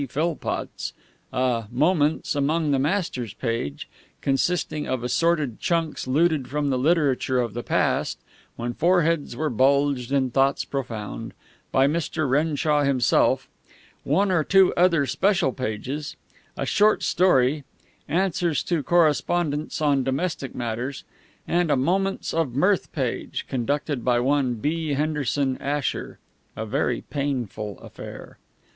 Philpotts; a "Moments among the Masters" page, consisting of assorted chunks looted from the literature of the past, when foreheads were bulged and thoughts profound, by Mr. Renshaw himself; one or two other special pages; a short story; answers to correspondents on domestic matters; and a "Moments of Mirth" page, conducted by one B. Henderson Asher a very painful affair.